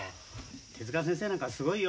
手先生なんかはすごいよ。